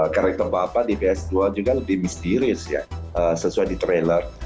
karakter bapak di bs dua juga lebih misterius ya sesuai di trailer